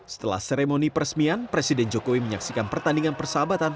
setelah seremoni peresmian presiden jokowi menyaksikan pertandingan persahabatan